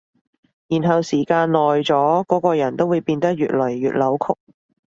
然後時間耐咗，嗰個人都會變得越來越扭曲